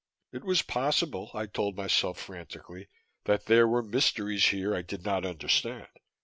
_ It was possible, I told myself frantically, that there were mysteries here I did not understand.